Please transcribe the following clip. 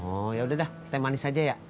oh ya udah dah teh manis aja ya